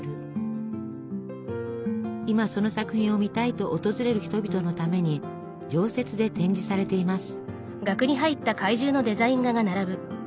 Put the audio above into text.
今その作品を見たいと訪れる人々のために常設で展示されています。